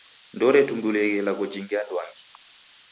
Nderetumbulieghe ilagho jingi anduangi.